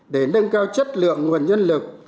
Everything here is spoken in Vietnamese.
để nâng cao chất lượng nguồn nhân lực